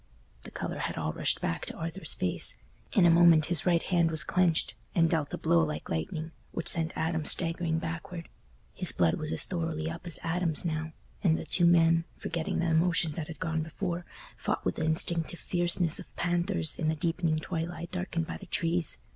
The colour had all rushed back to Arthur's face; in a moment his right hand was clenched, and dealt a blow like lightning, which sent Adam staggering backward. His blood was as thoroughly up as Adam's now, and the two men, forgetting the emotions that had gone before, fought with the instinctive fierceness of panthers in the deepening twilight darkened by the trees.